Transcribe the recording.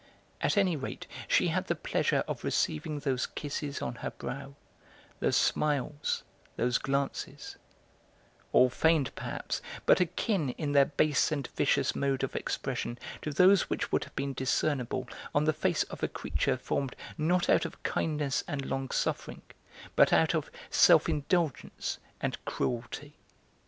At any rate, she had the pleasure of receiving those kisses on her brow, those smiles, those glances; all feigned, perhaps, but akin in their base and vicious mode of expression to those which would have been discernible on the face of a creature formed not out of kindness and long suffering, but out of self indulgence and cruelty.